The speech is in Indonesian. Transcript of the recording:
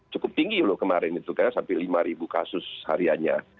cukup tinggi loh kemarin itu kan sampai lima kasus hariannya